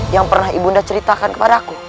yang pernah ibu bunda ceritakan kepada aku